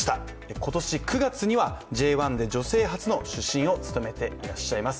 今年９月にはＪ１で女性初の主審を務めていらっしゃいます。